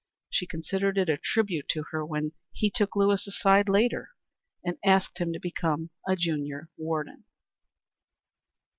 She considered it a tribute to her when he took Lewis aside later and asked him to become a junior warden.